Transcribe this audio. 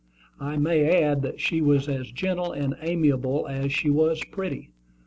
I may add that she was as gentle and amiable as she was pretty.